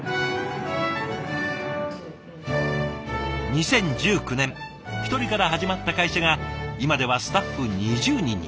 ２０１９年１人から始まった会社が今ではスタッフ２０人に。